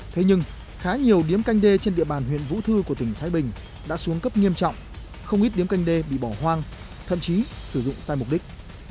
thế nhưng khá nhiều điếm canh đê trên địa bàn huyện vũ thư của tỉnh thái bình đã xuống cấp nghiêm trọng không ít điếm canh đê bị bỏ hoang thậm chí sử dụng sai mục đích